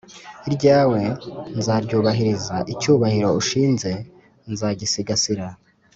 iryawe nzaryubahiriza icyubahiro unshinze nzagisigasira,